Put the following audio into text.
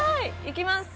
いきます。